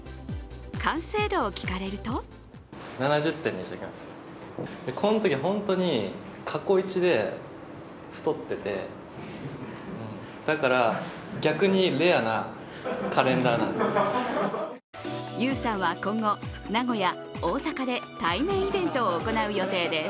完成度を聞かれるとＹＵさんは今後名古屋、大阪で対面イベントを行う予定です。